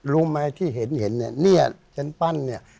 รู้ไหมที่เห็นเนี้ยเนี้ยฉันปั้นเนี้ย